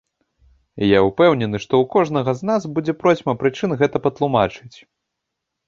Я ўпэўнены, што ў кожнага з нас будзе процьма прычын гэта патлумачыць.